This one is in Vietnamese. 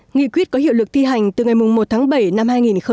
nghị quyết có hiệu lực thi hành từ ngày một tháng bảy năm hai nghìn hai mươi